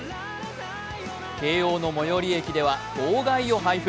慶応の最寄り駅では号外を配布。